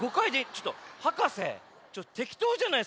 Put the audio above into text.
ちょっとはかせてきとうじゃないですか？